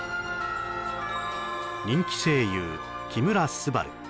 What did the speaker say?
人気声優木村昴